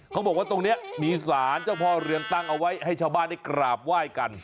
เขาบอกว่าตรงนี้มีสารเจ้าพ่อเรืองตั้งเอาไว้ให้ชาวบ้านได้กราบไหว้กัน